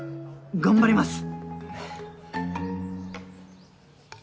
頑張ります！